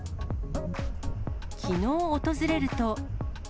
きのう訪れると。